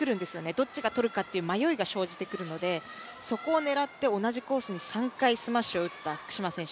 どっちがとるかっていう迷いが生じてくるのでそこを狙って、同じコースに３回スマッシュを打った福島選手